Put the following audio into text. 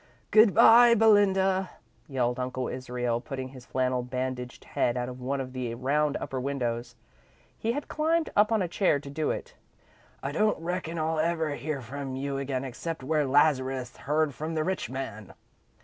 "Good bye, Belinda," yelled Uncle Israel, putting his flannel bandaged head out of one of the round upper windows. He had climbed up on a chair to do it. "I don't reckon I'll ever hear from you again exceptin' where Lazarus heard from the rich man!"